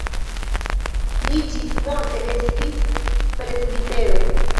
Li ĝismorte estis presbitero.